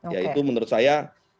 ya itu menurut saya